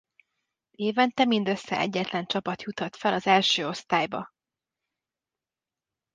Évente mindössze egyetlen csapat juthat fel az első osztályba.